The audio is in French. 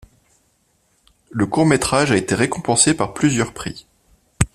Le court métrage a été récompensé par plusieurs prix.